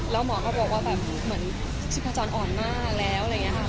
แล้วหมอก็บอกว่าแบบเหมือนชีพจรอ่อนมากแล้วอะไรอย่างนี้ค่ะ